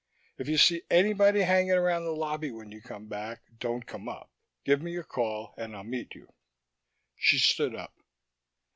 If you see anybody hanging around the lobby when you come back, don't come up; give me a call and I'll meet you." She stood up.